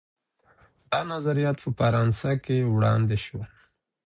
دا نظریات په فرانسه کي وړاندې سول.